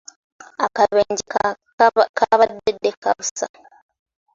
Akabenje kaabadde ddeka busa.